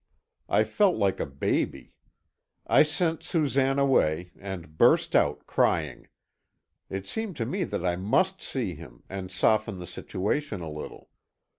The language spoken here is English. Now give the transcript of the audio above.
I felt like a baby. I sent Susanne away, and burst out crying. It seemed to me that I must see him, and soften the situation a little.